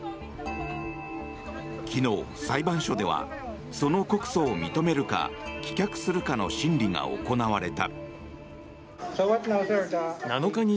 昨日、裁判所ではその告訴を認めるか棄却するかの審理が行われた。